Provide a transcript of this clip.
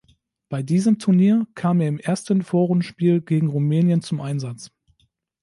Bei diesem Turnier kam er im ersten Vorrundenspiel gegen Rumänien zum Einsatz.